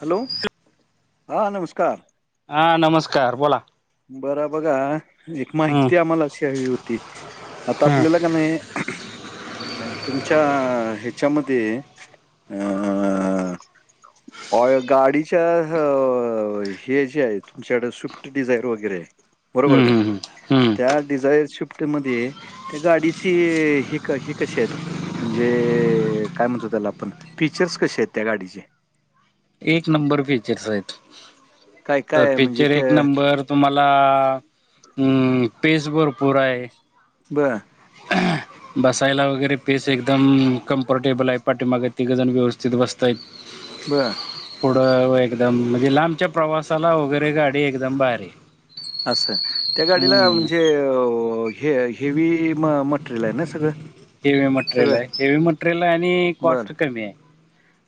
Hello, हां नमस्कार! हा नमस्कार बोला! बर बघा एक हम्म माहिती आम्हाला अशी हवी होती. आता हम्म आपल्याला का नाही अ तुमच्या ह्याच्यामध्ये हहह हं अ गाडीच्या हे जे आहे तुमच्याकडे स्विफ्ट. डिझायर वगैरे बरोबर का? हम्म हम्म हम्म त्या डिझायर शविफ्ट मध्ये त्या गाडीची ही- ही कशी आहेत. म्हणजे काय म्हणतो त्याला आपण फीचर्स कसे आहेत त्या गाडीचे. एक नंबर फीचरस आहेत काय काय आहे म्हणजे फीचर के एक नंबर तुम्हाला पेस भरपुर आहे. ब बसायला वगैरे पेस एकदम कम्फर्टेबल आहे. पाठीमागे तिघंजण व्यवस्थित बसताय. बर. पुढं एकदम म्हणजे लांबच्या प्रवासाला वगैरे गाडी एकदम भारी. असं त्या गाडीला हम्म म्हणजे हे - हेवी म - मटेरियल आहे ना सगळं. हेवी मटेरियल सगळं? आहे हेवी मटेरियल आणि बरं. कॉस्ट कमी आहे.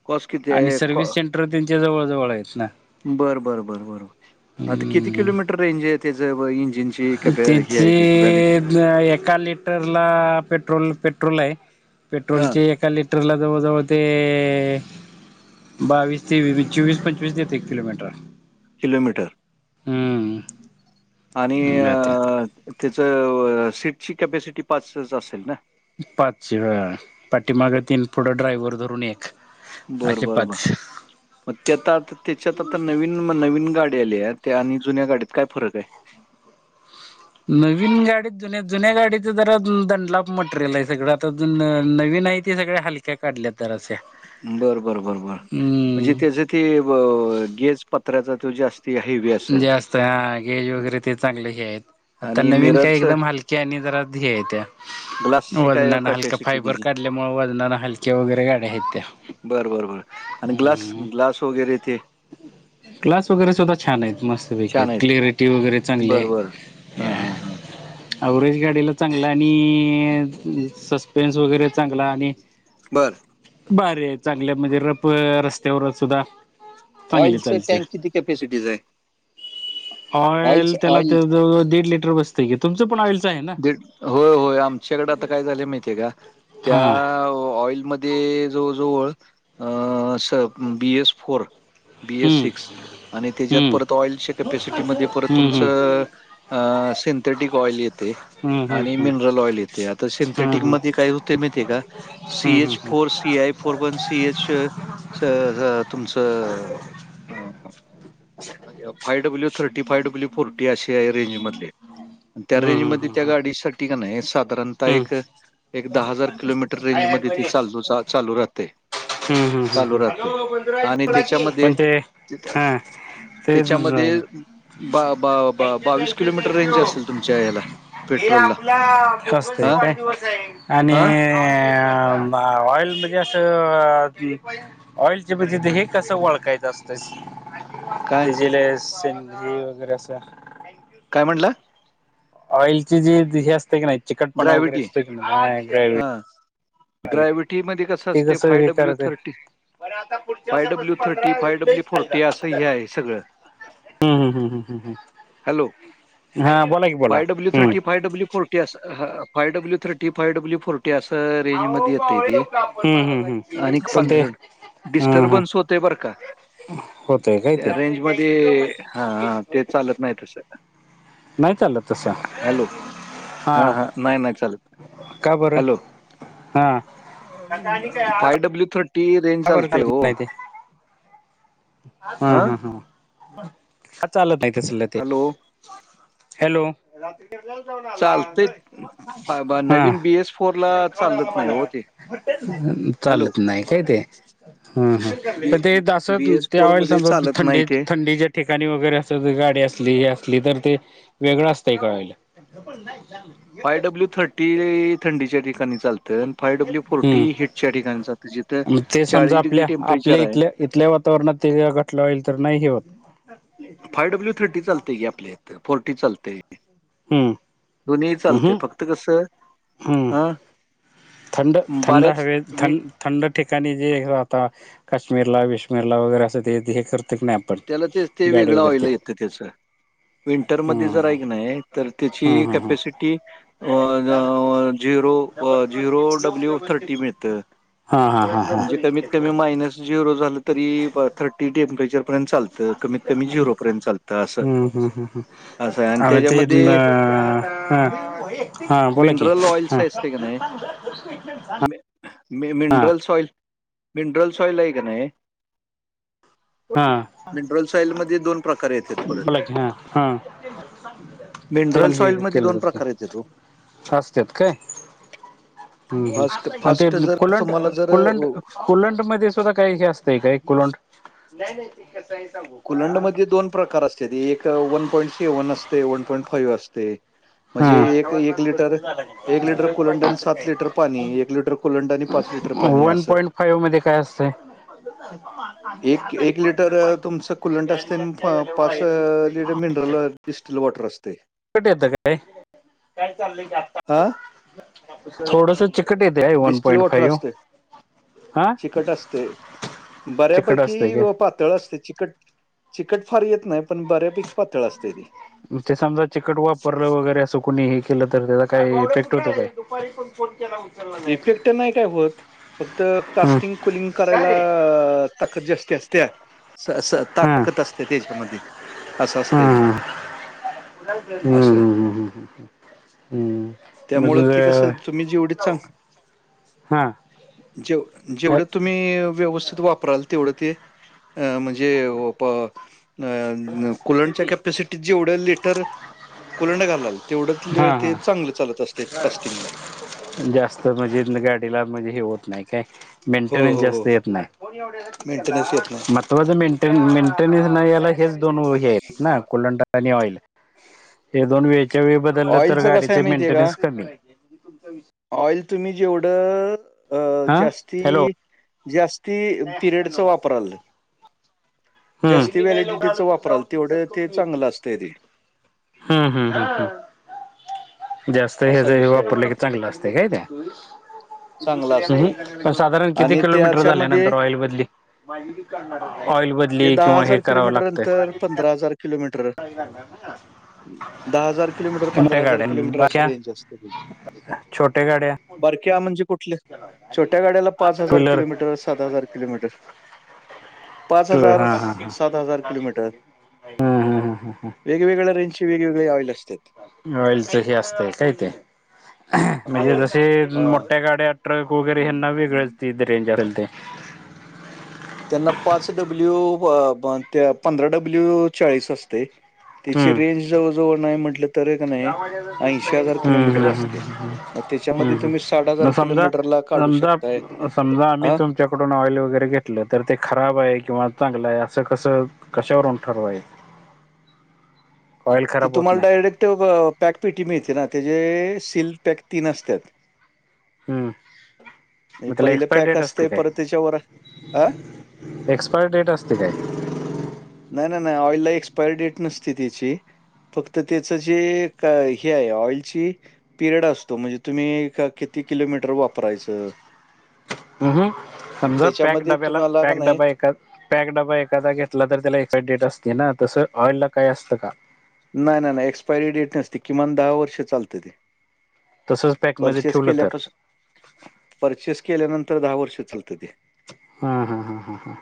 कॉस्ट किती आणि आहे? कॉ सर्विहिस सेंटर त्यांच्या जवळ जवळ आहेत ना. बरं बरं बर बरर आता किती हम्म किलोमीटर रेंज आहे त्याचंअ-इंजि तिथे एका- लिटरला पेट्रोल - पेट्रोल आहे. हां, पेट्रोलचे एका लिटरला जवळ जवळ ते, बावीस तेस चोवीस पंचवीस देते एक किलोमीटर आहे. किलोमीटर आणि जाते अं त्याचं सीटची कॅपॅसिटी पाचच असेल ना. पाचशे ह पाठी माग तीन पुढं ड्रायव्हर धरून एक. बरं असे बरं बर. पाच मग त्या आता त्याच्यात आता नवीन नवीन गाडी आली आहे त्या आणि जुन्या गाडीत काय फरक आहे? नवीन गाडी जुन्या - जुन्या गाडीच जरा दंडलाप मटेरियल आहे सगळं आता जुन न - नवीन आहे ते सगळ्या हलक्या काढल्यात जरासं. बर बरं बर बर म्हणजे त्याचे ते गेज पत्राचा त जास्त जास्त हा गेज वगैरे ते चांगले हे आहे आता आणि नवीन काही मिररच एकदम हलक के अन ते हायत ग्लासची काय वजनान हलक कॅपॅसिटी फायबर त्याची काढ ल्यामुळे वजनान हलक्या वगैरे गाड्या हायत त्या. बरं बरं बर आणि ग्लास ग्लास वगैरे तेे? ग्लास वगैरे सुद्धा छान आहेत मस्त. छान आहेत क्लियरिटी वगैरे चांगली बर बर हा आहे. हा हा अवरेज गाडीला चांगलं आणि सस्पेन्स वगैरे चांगला आणि बरं! भारी आहे चांगले म्हणजे रप रस्त्यावरच सुद्धा ऑईल चांगली चं चालते. टँक किती कॅपसिटी चं आहे. ऑइलच ऑइल त्याला ऑइल जववळ दीड लिटर बसत की तुमचं पण ऑइलचं आहे ना? दीड होय होय आमच्याकडे आता काय झालं माहितीय का त्या हा ऑइलमध्ये ते जवळ जवळ अ B S four B S hmm six आणि त्याच्यात हम्म परत ऑइलच्या कॅपॅसिटीमध्ये परत हम्म हम्म. तुमचं अ सिंथेटिक ऑइल येतय. हम्म आणि हम्म मिनरल ऑइल येते आता सिंथेटिक हम्म मध्ये काही होते माहितीय का हम्म CH hmm four P I four one C H स ह तुमचं five W thirty five W forty असे रेंजमधलय त्या हम्म रेंजमधले हम्म त्या गाडीसाठी का नाय साधारण आता हम्म एक दहा हजार किलोमीटर रेंज मध्ये ते चाल चालू राहते. हम्म हम्म चालू हम्म राहते हम आणि त्याच्यामध्ये पण ते हा. तेच- त्याच्यामध्ये बा बा बा बावीस किलोमीटर रेंज असेल तुमच्या ह्याला पेट्रोलला फसतंय हा काय? आणि हा - ऑइल मजी अस- ऑइलच्या पद्धती हे कस ओळखायचं असतस? काय [unintelligible] असं. काय म्हटला? ऑइलची जी हे असते की नाही? चिकटपणा वगैरे असतोय की नाही? ह. ग्रॅव्हिटी ग्रॅवि्हटी मध्ये कस ते असतय? कसं फाय हे डब्ल्यू करत thirty five W thirty, five W forty असं हे आहे सगळं. हम्म हम्म हम्म हम्म हम्म हॅलो. हा बोला की बोला five W hmm thirty, five W four ते असं. हं. Five W thirty. Five W forty - ते अस रेंज मध्ये येतय ते. हम्म हम्म हम्म आणि पण पंध ते हा हा डिस्टर्बन्स होत - तय बर का. होतय काय ते? त्या रेंजमध्ये हा हा ते चालत नाही तसं नाही चालत तस. हॅलो हा हां. हा नाही नाही चालत का बरं? हॅलो हा. फाय डब्ल्यू थर्टी रेंज का बर चालते चालत हो नाही ते? हम् हा हम् हम. का चालत नाही तसलं ते? Hello hello. चालते हम्म. नवीन बी एस फोरला चालत नाही हो ते हॅलो चालत नाही काय ते? हम्म हम्म. बी तर ते अस बी एस ते फोर ऑईल मध्ये समजा चालत नाही थंडी ते थंडीच्या ठिकाणी वगैरे अस गाडी असली हे असली तर ते वेगळं असतंय का ऑईल? फाय डब्ल्यू थर्टी थंडीच्या ठिकाणी चालत. य. तर फाय डब्ल्यू फोर्टी हम्म हिटच्या ठिकाणी चालत जिथं मग ते समजा चाळीस डिग्री आपल्या आपल्या टेम्परेचर आहे. इथल्या इथल्या वातावरणात ते [unintelligible] तर नाही हे होत. फाय डब्ल्यू थर्टी चालतय की आपल्या इथं. फोर्टी चालतय. हम्म दोन्ही चालतय. फक्त कसं? ह. हा थंड थंड बऱ्याच हवेत. विण थंड- थंड ठिकाणी जे अ - त्याला तेच. ते वेगळं ऑईल येत त्याच. विंटरमध्ये हम्म जर ऐक नाही तर हम्म त्याची हम्म हम्म capacity- uh zero. Zero W thirty मिळत. हा हा हा. हा म्हणजे कमीत कमी मायनस झिरो झालं तरी, थर्टी टेम्परेचर- पर्यंत चालत. कमीत कमी झिरो पर्यंत चालत अस. हम्म हम्म हम्म हम्म असय आणि ते त्याच्यामध्ये- हा हा बोला की मिनरल ऑइलस हा असतय का नाही? [inaudible] मिन हा मिनरल्स ऑइल. मिनरल्स ऑइल आहे का नाही? हा मिनरल ऑईल्स मध्ये दोन प्रकार येत्यात परत. हम्म. ते मिनरल पण हे सॉइल मध्ये दोन केलं जात. प्रकार येतात हो फास्ट आहेत काय? हम्. फास्ट आणि ते फास्ट जर कोलंड, तुम्हाला जर कोलंड- कोलंड मध्ये सुद्धा काही हे असतय का? कोलंड. नाही नाही ते कसंय सांगू कुलंड का? मध्ये दोन प्रकार असत्यात. [unintelligible] एक वन पॉईंट सेव्हन असतय. वन पॉईंट फाईव्ह असतेय. हम्म. वातावरणात बदल झालाय एक लिटर कुलंड आणि सात लिटर पाणी एक लिटर कुलंड आणि पाच लिटर [unintelligible] पाणी वन असं पॉइंट फाईव्ह मध्ये काय असतंय? [inaudible] एक एक लिटर अ, कुलंट असतय. पाच - पाच लिटर मिनरल डिस्टल वॉटर असतय. चिकट येत काय हा थोडस चिकट येत. ते हाय one distil point water five. असते हा चिकट असते चिकट असतंय बऱ्यापैकी काय पा तळ असते चिकट चिकट फार येत नाही पण बऱ्यापैकी पातळ असतेय ते. ते समजा चिकट वापरलं वगैरे असं कुणीही. केलं तर त्याचा काही इफेक्ट होत काय. उचलला नाही इफेक्ट नाही काय होत फक्त हम्म कास्टिंग कलंग करायला. अ ताकद जास्ती असते स स. हा ताकत असते त्याच्यामध्ये असं हा असतंय ते. हम्म असं हम्म हम्म. हम्म म्हज त्यामुळं ते कसं तुम्ही जेवढी चांग हा [inaudible] जेव जेवढं तुम्ही व्यवस्थित वापराल तेवढं ते. अ म्हणजे वो प. अ कुलंडच्या कॅपेसिटीत जे एवढेल लिटर कुलंड घालाल. तेवढंत लेअळ हा ते हा चांगलं चालत असते कास्टिंगला. जास्त म्हणजे गाडीला म्हणजे हे होत नाही. हो, मेंटेस्त हो, जास्त हो. येत नाही. मेंटेनन्स येत नाही. तर माझं मेंटेन मेंटेनन्स नाही यायला हेच दोन हे आहेत ना कोलंंडा आणि ऑइल. हे दोन वेळच्या वेळ बदललं तर ऑइलचं कसं गाडीचे आहे माहिती आहे का? मेंटेनन्स कमी हाय. ऑइल तुम्ही जेवढं अ हा जास्ती हॅलो जास्त. ती पिरियडचा वापर आलं. जास्ती हम्म व्हॅलिडिटीच वापराल तेवढं ते चांगलं असतंरी. हम्म हम्म हम्म हम्म. जास्त असा हेज हे विषय आहे वापरले की तो. चांगलं असते काय ते. चांगला असतंय साधारण किती आणि किलोमीटर झाले त्याच्यामध्ये नंतर ऑइल बदली. ऑइल ते बदली किंवा हे करावं किलोमीटर लागतय. अंतर, किलोमीटर दहा हजार किलोमीटर पंधरा मोठ्या हजार गाड्या किलोमीटर असत. बाक्या छोट्या गाड्या बारक्या म्हणजे कु छोट्या गाड्याला पाच टू हजार व्हीलर किलोमीटर सात हजार किलोमीटर. पाच टू हजार हा हा सात हजार किलोमीटर. हा वेगवेगळ्या रेंज वेगवेगळे ऑइल असात. ऑइल च हे असतय काही ते हो म्हणजे जसे जु हा मोठ्या गाड्यात. ट्रक वगैरे हे ना वे गेस्ते रेंजरल ते. त्यांना पाच डब्ल्यू व्ह बन ते पंधरा डब्ल्यू चाळीस असतेय. त्याची हम्म रेंज जवळ जवळ नाही म्हटलं. तर का नाही ऐंशी हजार हम्म किलोमीटर हम्म् असते हम् मग त्याच्यामध्ये हम् तुम्ही साठ म हजार समजा. किलोमीटरला काढू समजा शकताय समजा हा आम्ही तुम तच्याकडून ऑइल वगैरे घेतलं तर ते खराब आहे किंवा चांगलं आहे असं कसं. कशावरून ठरवायच. [inaudible] ती खराब होत तुम्हाला नाही डायरेक्ट पॅक पेटी मिळते ना त्याचेे सिल् पॅक तीन असतात. हम्म. त्याला पहिले एक्सपायर पॅक डेट असते परत त्याच्यावर अं. एक्सपायरी डेट असते काय. नाही नाही नाही ऑईलला एक्सपायरी डेट नसते तिची. फक्त त्याच जे क हे आहे ऑइलची. पिरियड असतो म्हणजे तुम्ही किती किलोमीटर वापरायचं. अ ह समजा पॅक त्याच्यामध्ये डब्याला तुम्हाला का पॅक नाही डबा एका. पॅक डबा एखादा घेतला तर त्याला इफेक्टडेड असते ना तसं ऑइल ला काय असतं का. नाही नाही नाही एक्सपायरी डेट नसते किमान दहा वर्ष चालत ते. तसंच पॅकमध्ये परचेस ठेवलं तर केल्यापासून परचेस केल्यानंतर दहा वर्ष चालतं ते. हा हा हा हा हा,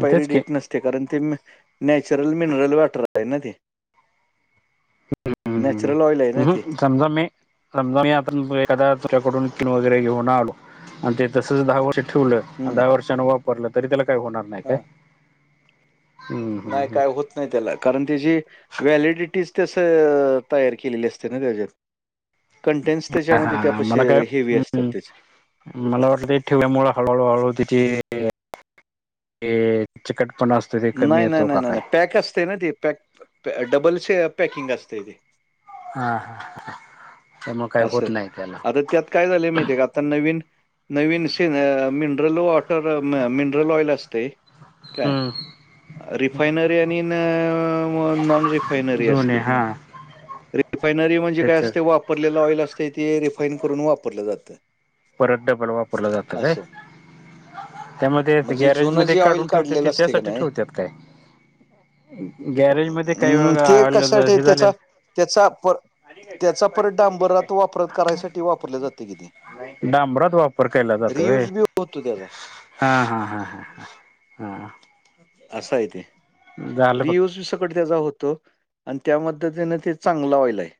म तेच की ते कारण ते, नॅचरल मिनरल वॉटर आहे ना ते. हम्म नॅचरल ऑइल आहे ना ते. हम्म समजा मी, समजा मी आता एखादा तुझ्याकडून [unintelligible] वगैरे घेऊन आलो आणि ते तसच दहा वर्ष ठेवलं अन हम्म. दहा वर्षानं वापरलं, तरी त्याला काही होणार नाही काय? हा. हम्म हम्म नाही हम्म. काय होत नाही त्याला, कारण ती जी व्हॅलिडिटीच तसं तयार केलेली असते ना त्याची. कंटेंस त्याच्यामध्ये हा त्यापश मला काय हेवी असतात हम्म त्याचे. मला वाटलं ते ठेवल्यामुळं हळू हळू हळू त्याची ते चिकटपणा असतो ते कमी नाही नाही येतो नाही का नाही काय. नाही पॅक असते ना ते, पॅक डबलचे पॅकिंग असते तेे. हा हा असं, आता त्यात काय झालं माहितीे का? आता नवीन नवीन सन मिनरल वा तर मिनरल ऑइल असते, काय हम्म. रिफायनरी आणि अ नॉन रिफायनरी दोन्ही असते. हा रिफायनरी म्हणजे काय त्याचच असते, वाप वापरलेला ऑइल असतंय ते, रिफाईन करून वापरलं जातं. परत डबल वापरलं जातं काय? असं. त्यामध्ये म्हणजे गॅरेज जुनं मध्ये जे ऑइल काढून ठेवतेत काढलेलं ते असते का त्यासाठी नाही ठेवतात काय? गॅरेज मध्ये काही अं बघा, ते आ कशासाठी हे त्याचा झालेल त्याचा पर त्याचा परत डांबरात वापरत करायसाठी वापरले जातं की ते. डांबरात वापर केला जातो होय? रियूज बी होतो त्याचा हा हा हा हा, हा हा. असा आहे तेे, झालं बघ रियुस बी सकट त्याचा होत तो आणि त्या मद्धतीने ते चांगला ऑयल आहे.